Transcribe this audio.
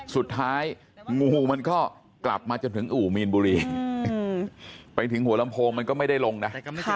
สุดท้ายงูมันก็กลับมาจนถึงอู่มีนบุรีไปถึงหัวลำโพงมันก็ไม่ได้ลงนะ